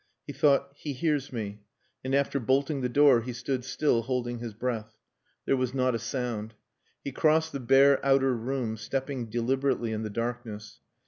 He thought, "He hears me," and after bolting the door he stood still holding his breath. There was not a sound. He crossed the bare outer room, stepping deliberately in the darkness.